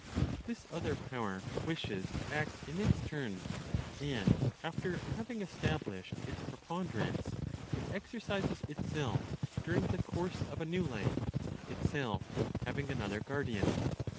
This other power wishes to act in its turn, and, after having established its preponderance, it exercises itself during the course of a new life, itself having another guardian.